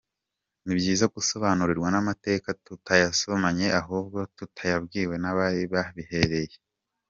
Ni byiza gusobanukirwa n’amateka tutayasomye ahubwo tuyabwiwe n’abari bahibereye.